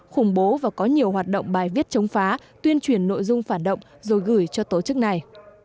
khủng bố và có nhiều hoạt động bài viết chống phá tuyên truyền nội dung phản động rồi gửi cho tổ chức này